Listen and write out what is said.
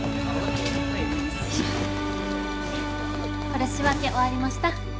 これ仕分け終わりました。